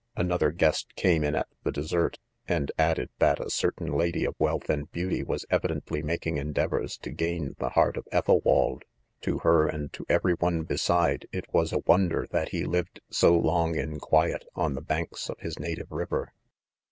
— ■^lother guest came in at the dessert, and ad ded ^hat ascertain lady of wealth and beauty was ewidently making endeavors to gain the THE CONFESSIONS. 145 heart of Ethelwald. Toiler, and to 1 every one beside, it was a wonder that he had lived • so long lit quiet, on the banks of his native river.